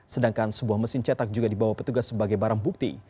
sedangkan sebuah mesin cetak juga dibawa petugas sebagai barang bukti